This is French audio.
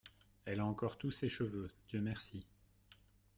Elle a encore tous ses cheveux, Dieu merci !